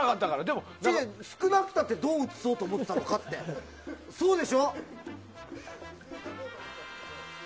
少なくたってどう映そうと思ったのかってそうでしょ？